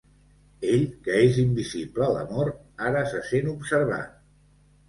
Ell, que és invisible a l'amor, ara se sent observat.